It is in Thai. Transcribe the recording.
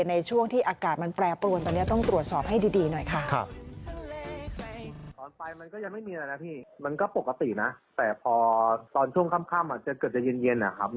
ในช่วงที่อากาศมันแปรปรวนตอนนี้ต้องตรวจสอบให้ดีหน่อยค่ะ